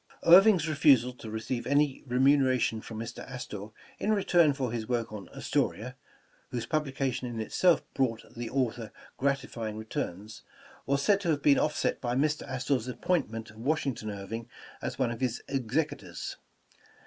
Irving 's refusal to receive any remuneration from Mr. Astor in return for his work on ''Astoria," whose publication in itself brought the author gratifying returns, was said to have been offset by Mr. Astor 'a appointment of Washington Irving as one of his execu tors.